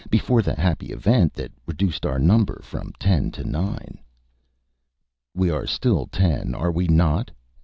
Before the happy event that reduced our number from ten to nine " "We are still ten, are we not?"